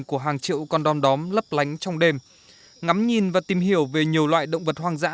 của hàng triệu con đom đóm lấp lánh trong đêm ngắm nhìn và tìm hiểu về nhiều loại động vật hoang dã